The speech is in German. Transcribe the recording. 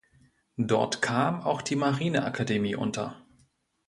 Dort kam auch die Marineakademie unter.